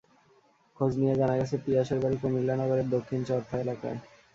খোঁজ নিয়ে জানা গেছে, পিয়াসের বাড়ি কুমিল্লা নগরের দক্ষিণ চর্থা এলাকায়।